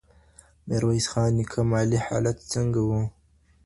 د ميرويس خان نيکه مالي حالت څنګه و؟